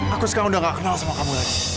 aku sekarang udah gak kenal sama kamu lagi